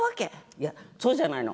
いやそうじゃないの。